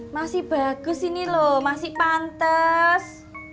masih bagus ini loh masih pantes